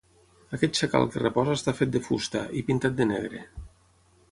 Aquest xacal que reposa està fet de fusta, i pintat de negre.